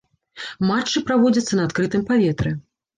Матчы праводзяцца на адкрытым паветры.